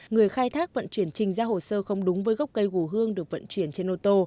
người khai thác vận chuyển trình ra hồ sơ không đúng với gốc cây gù hương được vận chuyển trên ô tô